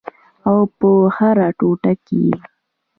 او په هره ټوټه کې یې